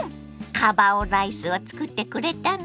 カバ男ライスをつくってくれたの？